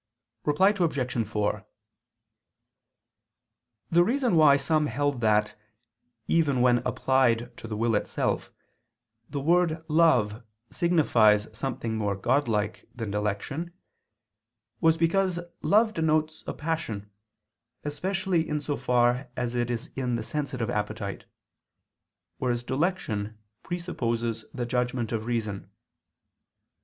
Reply Obj. 4: The reason why some held that, even when applied to the will itself, the word "love" signifies something more Godlike than "dilection," was because love denotes a passion, especially in so far as it is in the sensitive appetite; whereas dilection presupposes the judgment of reason.